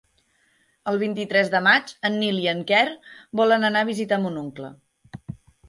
El vint-i-tres de maig en Nil i en Quer volen anar a visitar mon oncle.